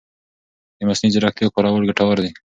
د مصنوعي ځېرکتیا کارول ګټور دي.